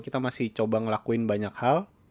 kita masih coba ngelakuin banyak hal